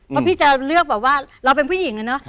เพราะพี่จะเลือกแบบว่าเราเป็นผู้หญิงนะเนอะ